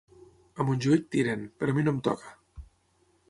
A Montjuïc tiren, però a mi no em toca.